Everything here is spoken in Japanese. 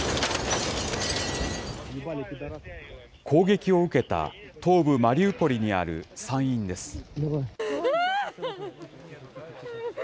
攻撃を受けた東部マリウポリにある産院です。